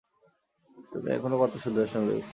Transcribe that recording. তুমি এখনও কত সুদর্শন, লুইস।